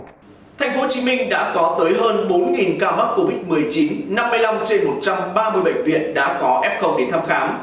thành phố hồ chí minh đã có tới hơn bốn ca mắc covid một mươi chín năm mươi năm trên một trăm ba mươi bệnh viện đã có f đến thăm khám